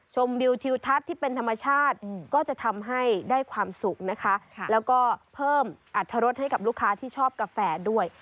วิวทิวทัศน์ที่เป็นธรรมชาติก็จะทำให้ได้ความสุขนะคะแล้วก็เพิ่มอัตรรสให้กับลูกค้าที่ชอบกาแฟด้วย